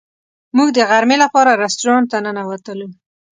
موږ د غرمې لپاره رسټورانټ ته ننوتلو.